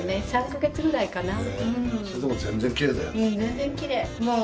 ３カ月ぐらいかな。